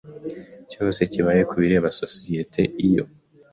cyose kibaye ku bireba sosiyete iyo